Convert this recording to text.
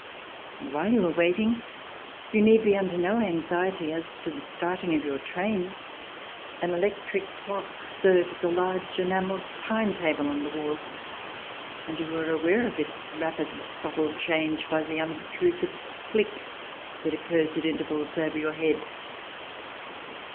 And while you are waiting you need be under no anxiety as to the starting of your train. An electric clock serves a large enamelled time table on the wall, and you are aware of its rapid subtle change by the unobtrusive click that occurs at intervals over your head.